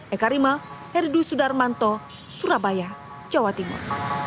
eka rima herdu sudarmanto surabaya jawa timur